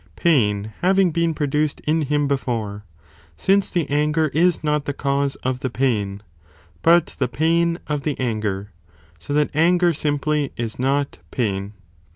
pain having been produced in him before, since the anger is not the cause of the pain, but the pain of the anger, so that anger simply is not pain.